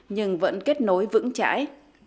nhưng vẫn kết nối vững chãi